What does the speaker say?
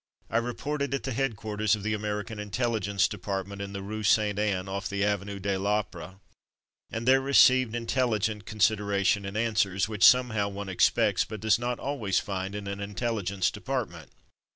I reported at the head quarters of the American Intelligence De partment in the Rue St. Anne, off the Avenue de rOpera, and there received intelligent con sideration and answers, which >^^^^ y somehow one ex ^^Si ^^ pects but does ^^l//^ not always find f£ inanlntelligence u Department.